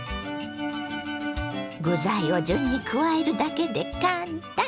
具材を順に加えるだけで簡単！